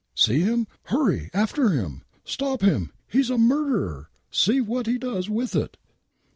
" See him ? Hurry after him !"" Stop him ! He's a murderer !! See what he does with it